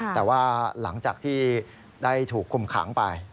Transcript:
แต่ว่าหลังจากที่ได้ถูกคุมขังไป